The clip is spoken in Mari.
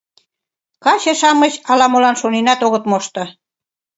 — Каче-шамыч ала-молан шоненак огыт мошто.